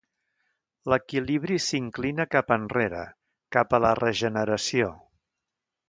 L'equilibri s'inclina cap enrere cap a la regeneració.